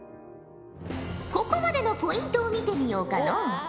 ここまでのポイントを見てみようかのう。